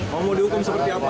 mau dihukum seperti apa